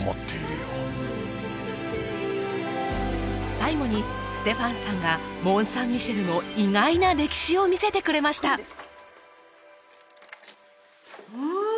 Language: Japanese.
最後にステファンさんがモン・サン・ミシェルの意外な歴史を見せてくれましたうん？